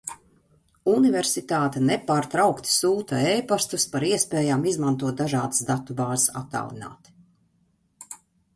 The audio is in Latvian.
Universitāte nepārtraukti sūta e-pastus par iespējām izmantot dažādas datu bāzes attālināti.